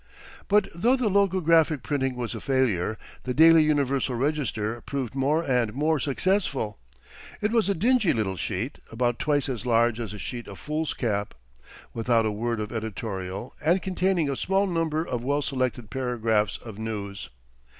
But though the logographic printing was a failure, the "Daily Universal Register" proved more and more successful. It was a dingy little sheet, about twice as large as a sheet of foolscap, without a word of editorial, and containing a small number of well selected paragraphs of news.